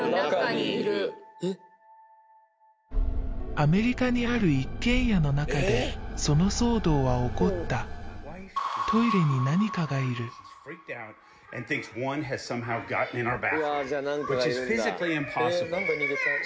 アメリカにある一軒家の中でその騒動は起こったトイレに何かがいるじゃあ何かがいるんだ